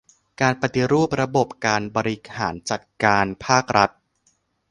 การปฏิรูประบบการบริหารจัดการภาครัฐ